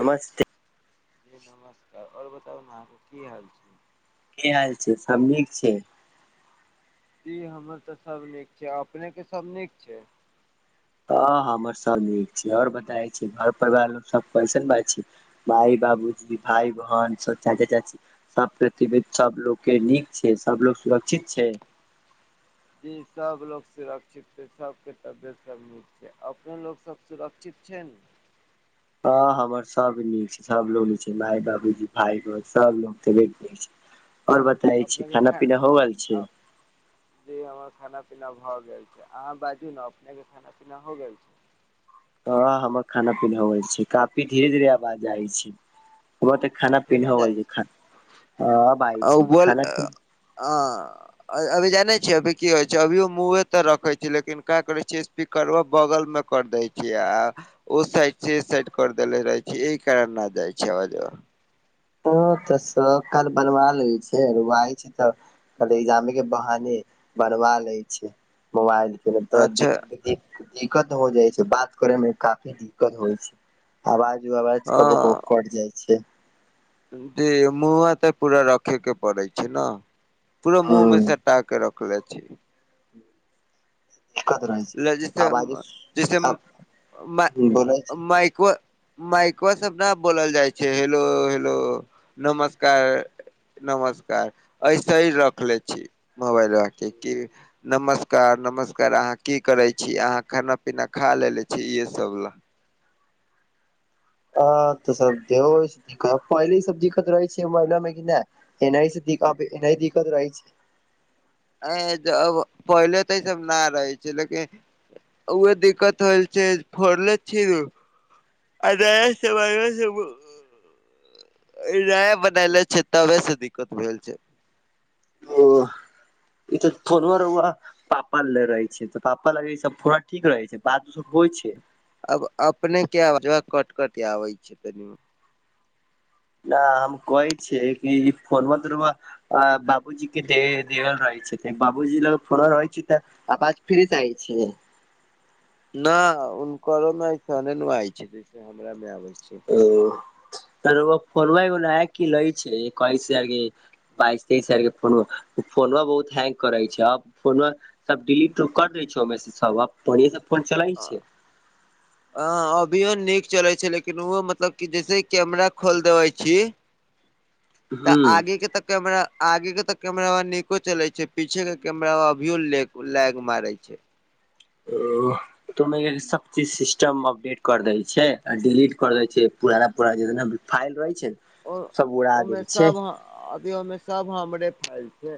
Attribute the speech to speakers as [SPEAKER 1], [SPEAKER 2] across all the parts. [SPEAKER 1] नमस्ते।
[SPEAKER 2] जी नमस्कार और बताउ ने अहाँके की हाल छै?
[SPEAKER 1] कि हाल छै? सब निक छै।
[SPEAKER 2] जी हमर तऽ सब निक छै अपनेके सब निक छै।
[SPEAKER 1] ह हमर सब निक छी। और बताइ छी घर परिवार मे सब कैसन बा छी? माय बाबूजी भाय बहन सब चच्चा चाचीके सब [unintelligible] सबलोग के निक छै सबलोग सुरक्षित छै।
[SPEAKER 2] जी सब लोग सुरक्षित छै सबके तबियत सब निक छै अपने लोक सब सुरक्षित छै ने।
[SPEAKER 1] हँ हमर सब निक छै सबलोग निकछै माय बाबूजी भाय बह सब लोग त [unintelligible] छै। और बताय छी
[SPEAKER 2] अपनेके खा
[SPEAKER 1] खाना पीना हो गल
[SPEAKER 2] आ
[SPEAKER 1] छै।
[SPEAKER 2] जी हमर खाना पीना भ गेल छै अहाँ बाजू न अपनेके खाना पीना हो गेल छै।
[SPEAKER 1] हां हमर खाना- पीना होै छै, काफी धीरे- धीरे आवाज आइ छै। हमर तऽ खाना पीना
[SPEAKER 2] फेनो
[SPEAKER 1] होगैल
[SPEAKER 2] जाइ
[SPEAKER 1] छै, अब आइ छै, खाना पी
[SPEAKER 2] हां अभी जानै छियै अभी की होइ छै, अभियो मुँहे तर रखै छी लेकिन काआ करै छियै। कि करब बगल मे कर देै छियै आ ओ साइड से इसाइड कर देले रहै छै, इहे कारण नाआ जाइ छै अवाजवा।
[SPEAKER 1] ह तऽ सौ काल बनबा लै छियै अरूआइछै तऽ खाली एग्जामे के बहाने भरबा ले छियै मोबाइल के ज
[SPEAKER 2] अच्छा
[SPEAKER 1] दिक- दिक्कत हो जाइ छै, बात करे मे काफी दिक्कत होइ छै। आवाज -ववाज कबो- कबो कट जाइ छै।
[SPEAKER 2] दे मुँह तऽ पुरा रखे के पड़ै छै ने पुरा मुँह मे
[SPEAKER 1] हूँ
[SPEAKER 2] सट ता क रखले छी।
[SPEAKER 1] दिक्कत रहै छै
[SPEAKER 2] लजिस्टर
[SPEAKER 1] आवाजे
[SPEAKER 2] जैसे
[SPEAKER 1] बोलै छै
[SPEAKER 2] मै-माइको माइको सब ना बोलल जाइ छै हेलो- हेलो नमस्कार। नमस्कार ऐसे ही रखले छी। मोबाइल राख कऽ कि नमस्कार -नमस्कार अहाँ की करै छी, अहाँ खाना पीना खा लेलेे छी, इहे सब लए।
[SPEAKER 1] आ तऽ सब के कहु पहिले सब दिक्कत रहै छै महिना में कि नै। एना से दि-दिक्कत आब एनाय दिक्कत रहै छै।
[SPEAKER 2] अ आय त अब पहिले तऽ ई सब ना रहै छै लेकिन उहे दिक्कत होल छै फोड़ले छी। [unintelligible] ई राय बनले छै तबे से दिक्कत भेल छै।
[SPEAKER 1] ओ [unintelligible] पापा ल रहे छै, तऽ पापा लग सब थोरा ठीक रहै छै, बात ओ सब होइ छै।
[SPEAKER 2] अब अपने क अवाज कट- कट आबै छै तनि।
[SPEAKER 1] ना हम कहै छियै कि फोनमा - तोनमा। अ बाबूजी के दे देल रहै छै बाबूजी ल फोन रहै छै तऽ। आवाज फ्री से आय छियै।
[SPEAKER 2] न हुनकरो में ऐसने ने आइ छै, जैसे हमरा मे आबै छै।
[SPEAKER 1] [unintelligible] बास तेइस हजार के फोनमा, -फोनमा बहुत हैंग करै छै आ फोन म सब डिलीट कर दै छै मैसेज सब, आब बढ़िआ से फोन चलै छै।
[SPEAKER 2] अ अभियो नीक चले छै, लेकिन ओहो मतलब कि जैसे कैमरा खोल देबे छी।
[SPEAKER 1] [inaudible]
[SPEAKER 2] तऽ
[SPEAKER 1] हूँ
[SPEAKER 2] आगे के तऽ केमरा आगे के तऽ कैमरा वा नीको चले छै, पीछे के कैमरा अभियो लै- लैग मारे छै।
[SPEAKER 1] ओह। तऽ सबचीज सिस्टम अपडेट कर दै छै, डिलीट कर दै छै पूराना- पूराना जेतना भी फाईल रहै छै।
[SPEAKER 2] ओ-
[SPEAKER 1] सब उड़ा
[SPEAKER 2] ओय
[SPEAKER 1] दै
[SPEAKER 2] में
[SPEAKER 1] छै
[SPEAKER 2] सब अथी ओय मे सब हमरे फैल छै।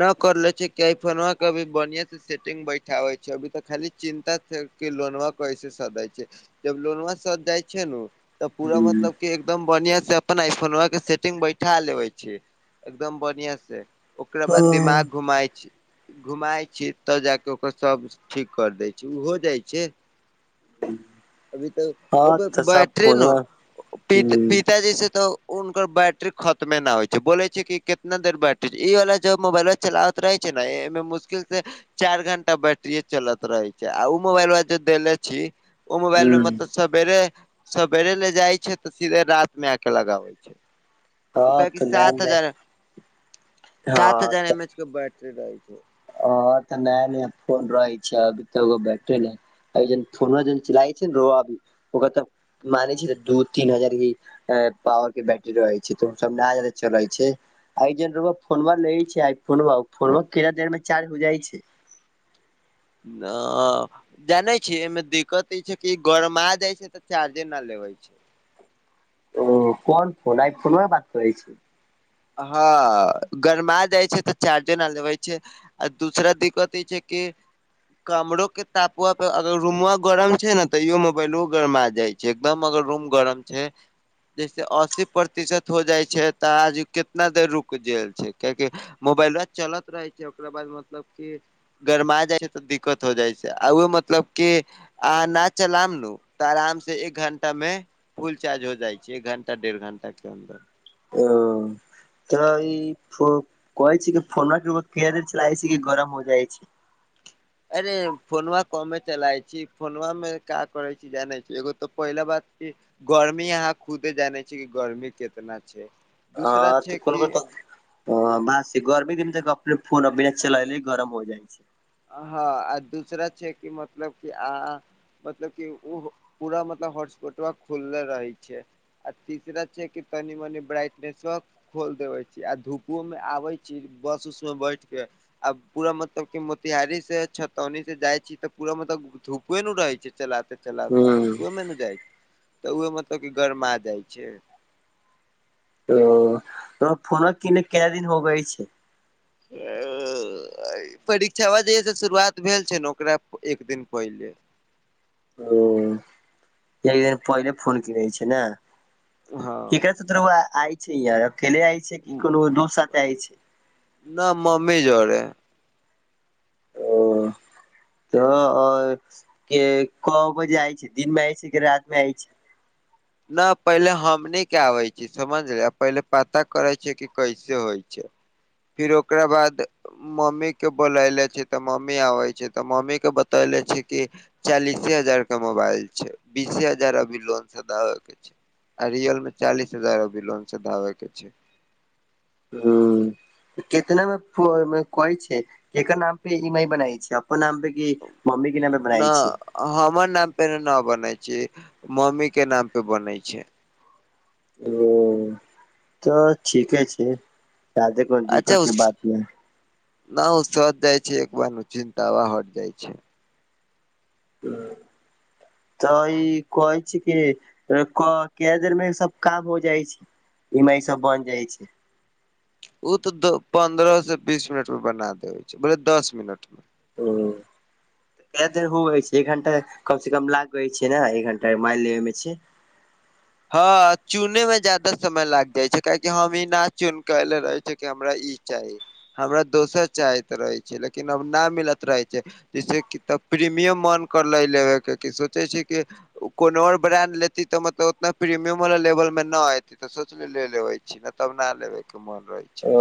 [SPEAKER 2] न करले छै किया कि फोनमा कभी बढ़िया स सेटिंग बैठाबै छै, अभी तऽ खाली चिन्ता छै, लोनवा कैसे सधै छै। जब लोनवा सध जाइ छै नू, तब पूरा मतलब के एकदम बढ़िया से अपना आई फोनवा के सेटिंग बैठा लेबे छी, एकदम बढ़िया से। ओकरा बाद दिमाग
[SPEAKER 1] हँ
[SPEAKER 2] घुमाइ छै। घुमाय छीयै तब जाए के ओकर सब ठीक कर दै छै, उ हो जाए छै। अभी तऽ ओकर
[SPEAKER 1] तऽ सब
[SPEAKER 2] बैटरी
[SPEAKER 1] फोन
[SPEAKER 2] न
[SPEAKER 1] ह
[SPEAKER 2] अ-अ पित पिताजी से तऽ हुनकर बैटरी खत्मे न होय छै बोले छै कि केतना देर बैटरी ई वाला जब मोबाइलवा चलाबत रहै छै नै एमे मुश्किल से चाएर घंटा बैटरिए चलत रहे छै आ उ मोबाइलवा जे देलै छी उ मुबाइल मे मतलब सबेरे-सबेरे ले जाय छै तऽ सीधे रात मे आए क के लगाबै छै
[SPEAKER 1] ह
[SPEAKER 2] उ काहैकि
[SPEAKER 1] तऽ नया
[SPEAKER 2] सात
[SPEAKER 1] नया
[SPEAKER 2] हजार
[SPEAKER 1] हँ
[SPEAKER 2] सात हजार एम एच के बैटरी रहै छै।
[SPEAKER 1] हां तऽ नया-नया फोन रहै छै, अभी तऽ ओकर बैटरी नै अभी जौन फोनवा जौन चलावै छै नै रउवा अभी ओकरा तब मांगे छै तै दू तीन हजार के ई ए पावर के बैटरी रहै छै तऽ ओ सब ना जादा चलै छै। आइ जौन रउवा फोनवा ले छै आइ फोनवा उ फोनवा केतना देर में चार्ज हो जाए छै।
[SPEAKER 2] ना जाने छी एमे दिक्कत ई छै कि ई गरमा जाय छै तऽ चार्जे ना लेबे छै।
[SPEAKER 1] ओ कोन फोन आइ फोनवा के बात करै छी?
[SPEAKER 2] हां गरमा जाए छै तऽ चार्जे ना लेबै छै। आ दूसरा दिक्कत ई छै कि कमरो के तापवा पे अगर रूमवा गरम छै नै तै ईहो मोबाइलो गरमा जाय छै एकदम अगर रूम गरम छै जैसे अस्सी प्रतिशत हो जाए छै तै आज केतना देर रुक जाए छै कियाकि मोबाइलवा चलत रहे छै ओकरा बाद मतलब की की गरमा जाए छै तऽ दिक्कत हो जाए छै आ उहो मतलब की अहां न चलाम नू तऽ आराम से एक घण्टा मे फुल चार्ज होय जाए छै, एक घण्टा डेढ़ घण्टा के अन्दर।
[SPEAKER 1] ओ तऽ ई फो कहै छीयै कि फोनवा के एक बेर केयरे चलाए [unintelligible] गरम हो जाए छै।
[SPEAKER 2] अरे फोनवा कमे चलाइ छी, फोनवा मे का करै छी जानै छी एगो तऽ पहिला बात की गर्मी आहाँ खुदे जानै छीयै कि गर्मी केतना छै। दूसरा
[SPEAKER 1] हां
[SPEAKER 2] छै
[SPEAKER 1] तऽ
[SPEAKER 2] कि
[SPEAKER 1] कुन-कुन ठा हां बात सही गर्मी दिन तै अपने फोन अ बिना चलालै ही गरम हो जाए छै।
[SPEAKER 2] हां आ दूसरा छै कि मतलब कि अहाँ मतलब की ऊह पूरा मतलब हॉटस्पॉटवा खुलले रहे छै। आ तीसरा छै कि तनि मनी ब्राइटनेसवा खोल देबे छीयै आ धूपवो में आबै छी बस उस में बैठ के आब पूरा मतलब कि मत तैयारी से छतौनी से जाय छी तऽ पूरा मतलब धूपवे न उ रहे छै चला त चलाबते-चलाबते
[SPEAKER 1] हूँ
[SPEAKER 2] धुपवे मे नै जाइ तऽ उहो मतलब कि गरमा जाय छै।
[SPEAKER 1] ओ तोहर फोनवा किने कै दिन हो गैल छै। [inaudible]
[SPEAKER 2] अ आई परीक्षवा जहिया से शुरुआत भेल छै नै ओकरा एक दिन पहिले
[SPEAKER 1] ओ एक दिना पहिले फोन किनेै छीयै नै
[SPEAKER 2] हँ
[SPEAKER 1] की कह [unintelligible] ऐल छैयै अकेले ऐल छै कि कुनु दोस्त साथ ऐल छै।
[SPEAKER 2] न मम्मी जोरे हय।
[SPEAKER 1] औ। तऽ और के कब जाए छै, दिन मे आय छै कि रात मे आय छै?
[SPEAKER 2] न पहिले हमनी के आबै छीयै समझलिए पहिले पता करै छीयै कि कैसे होय छै। फिर ओकरा बाद मम्मी के बोलेले छी तऽ मम्मी आबे छै तऽ मम्मी के बतेले छै कि चालीसे हजार क मोबाइल छै बीसे हजार अभी लोन द अके छै आ रियल मे चालीस हजार अभी लोन छदाबे के छै।
[SPEAKER 1] हम्म कितना मे फो- कहै छै एकर नाम पे ई एम आई बनाइ छी अपन नाम पे कि मम्मी के नाम पे
[SPEAKER 2] न
[SPEAKER 1] बनाय छै
[SPEAKER 2] हमर नाम पे न बनेै छै मम्मी के नाम पे बनेै छै।
[SPEAKER 1] ओ तऽ ठीके छै तादे
[SPEAKER 2] अच्छा ओ स-स ना ओ सध जाइ छै एक बार मे चिन्तावा हट जाइ छै।
[SPEAKER 1] हम्म तऽ ई कहै छी की क कै देर मे ई सब काम हो जाइ छै। इ एम आई सब बन जाइ छै।
[SPEAKER 2] ओ त त पंदरह स बीस मिनट में बना देे छै बोले दस मिनट में।
[SPEAKER 1] ओ कै देर हो हे छै एक घंटा कम से कम लाग छै ने एक घंटा मइ लेे मे छै
[SPEAKER 2] हँ चुने में ज्यादा समय लाग जाइ छै काहेकि हम ई न चुन कले रहे जे कि हमरा ई चाही। हमरा दोसर चाहैत रहे छलै लेकिन अब न मिलत रहे छै। जैसे की तब प्रीमियम वन करले की सोचे छै कि कोनो आर ब्राण्ड लेती तऽ मतलब ना प्रीमियम व लेवल मे न एती त सोचली ले लेबे छी न तब न लेबे के मन रहे।
[SPEAKER 1] ओ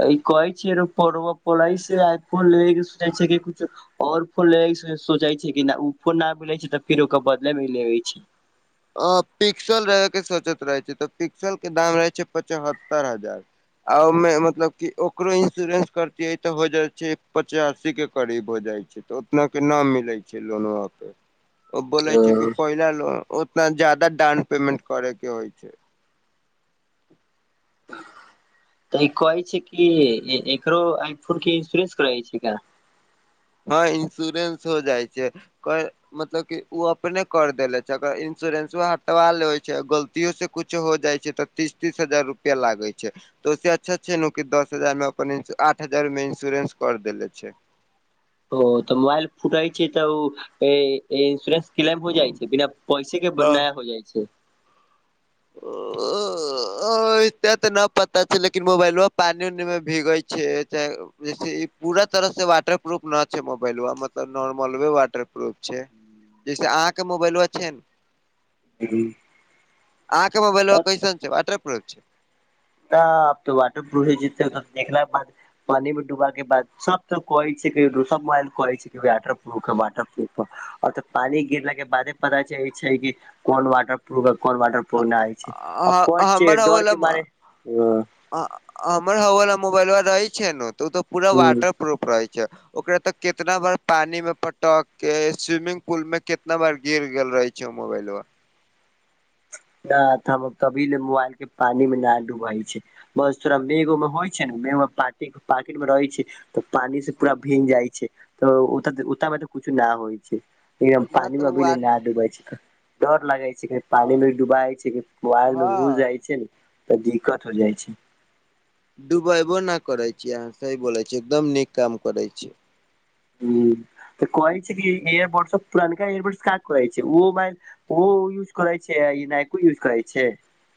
[SPEAKER 1] त ई कहै छी [unintelligible] से आइ फोन लए सुझै छै कि और फोन लै के सोचै छी किना फोन न मिलै छै तऽ फेर ओकर बदले मे लए छी।
[SPEAKER 2] अ पिक्सल रहे के सोचैत रहै छी तऽ पिक्सल के दाम रहै छै पचहत्तर हजार। आ ओमे मतलब की ओकरो इंस्योरेंस करतिये ते हो जाय छै पचासी के करीब हो जाय छै। तऽ उतना के ना मिलै छै लोनमा पे ओ बोले छै कि पहिले लोन उतना जादा डान पेमेंट करे के होइ छै।
[SPEAKER 1] तऽ ई कहै छै कि एकरो आइ फोन के इन्स्योरेंस करइ छै का?
[SPEAKER 2] हँ इन्स्योरेन्स हो जाइ छै कई मतलब कि ओ अपने कर देले छै अगर इन्श्योरेन्सो हटवा लेबे छै गलतियो से किछ हो जाइ छै तऽ तीस तीस हजार रुपआ लागै छै। तऽ ओेइ से अच्छा छै ने कि दस हजार मे अपन आठ हजार मे इन्स्योरेंस कर देले छै।
[SPEAKER 1] ओ तऽ मोबाइल फुटइ छै त ओ ए-ए इन्सोरेन्स क्लेम हो जाइ छै बिना पैसे के
[SPEAKER 2] हँ
[SPEAKER 1] नया हो जाइ छै।
[SPEAKER 2] अ-अ एते ते ना पता छै, लेकिन मोबाइल पानी उनी मे भीगे छै एक त जैसे ऐ पूरा तरह सँ वाटर प्रूफ ना छै मोबाइलबा मतलब नॉर्मल वे वाटर प्रूफ छै। जैसे अहाँके मोबाइल छै।
[SPEAKER 1] हम्म
[SPEAKER 2] अहांके मोबाइल कैसन छै वाटर प्रूफ छै?
[SPEAKER 1] तब तऽ वाटर प्रूफ जिततै त देखल बाद पानी मे डूबा के बाद सब त कहै छै को सब मोबाइल के कहै छै। क आटर प्रूफ ह वाटरप्रूफ ह अ तऽ पानी गिरला के बादे पता चल छै कि कोन वाटर प्रूफ छै कोन वाटरपूफ नइ छै आ
[SPEAKER 2] ह-
[SPEAKER 1] कोन छै
[SPEAKER 2] हमर
[SPEAKER 1] डर
[SPEAKER 2] हवला
[SPEAKER 1] के मारे -
[SPEAKER 2] हमर हवा मोबाइल रहै छै ने त ओ तऽ पूरा
[SPEAKER 1] ह
[SPEAKER 2] वाटर प्रूफ रहै छै। ओकरा ते कितना बार पानी में पटक के स्विमिंग पुल में कितना बार गिर गेल रहै छै। जो मोबाइल वा
[SPEAKER 1] ना तऽ हम कभीनै मोबाइल के पानी मे नै डुबबै छी। बस थोड़ा मेघ मे होइ छै, ने मेघ मे प्लास्टिक पाकिट मे रहै छै। तऽ पानी से पूरा भींग जाइ छै, तऽ ओ ओते मे तऽ किछो नै होइ छै। एकदम
[SPEAKER 2] न
[SPEAKER 1] पानी मे
[SPEAKER 2] तऽ
[SPEAKER 1] अखैन नहि डूबबै छी डर लगै छै,
[SPEAKER 2] ओ
[SPEAKER 1] पानी मे, डूबइ छै मोबाइल मे घुसि
[SPEAKER 2] हँ
[SPEAKER 1] जाइ छै न तऽ दिक्कत होइ जाइ छै।
[SPEAKER 2] डुबैबो नै करै छियै अहाँ सही बोलै छियै एकदम नीक काम करै छियै।
[SPEAKER 1] ह तऽ कहै छै, कि इयरबर्डस पुरनका एयरबर्ड्स का कहै छै ओ बला- ओ यूज करै छै, ई नइको यूज करै छै।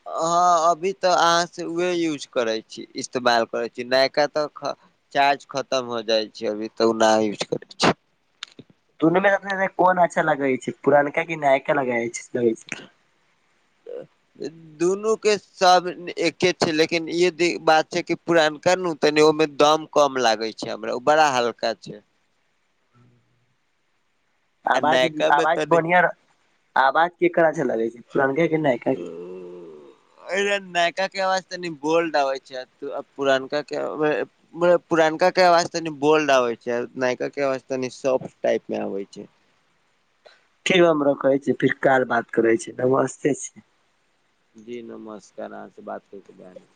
[SPEAKER 2] हँ अभी तऽ अहाँ सँ उहे यूज करैत छी, इस्तेमाल करैत छी, नयका तऽ- चार्ज खतम भ जाय छै अभी तक नै यूज करलहु।
[SPEAKER 1] दुनू मे रखने कोन अच्छा लगै छै, पुरानका कि नयका लगै छै।
[SPEAKER 2] [unintelligible] दुनूके सब एके छै, लेकिन ई बात छै कि पुरानका ने ओ तनि ओहिमे दम, कम लागै छै हमरा ओ बड़ा हल्का छै। आ
[SPEAKER 1] आवाज
[SPEAKER 2] नयका
[SPEAKER 1] -
[SPEAKER 2] मे
[SPEAKER 1] आवाज
[SPEAKER 2] तनि
[SPEAKER 1] बढ़िया आवाज केकर अचछा लगै छै पुरनके कि नइ।
[SPEAKER 2] ओ अइले नयका के आवाज तनि बोल्ड आबै छै, पुरनका के- पुरनका के आवाज तनि बोल्ड आबै छै, नयका के आवाज सॉफ्ट टाइप मे आबै छै।
[SPEAKER 1] [unintelligible] रखै छी, फिर काल बात करै छी, नमस्ते छी।
[SPEAKER 2] जी नमस्कार अहाँ से बात करके। [unintelligible]